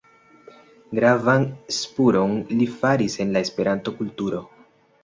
Gravan spuron li faris en la Esperanto-kulturo.